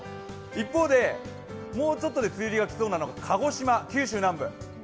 一方で、もうちょっとで梅雨入りがきそうなのが、鹿児島、九州南部。